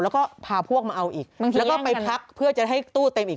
แล้วก็พาพวกมาเอาอีกแล้วก็ไปพักเพื่อจะให้ตู้เต็มอีก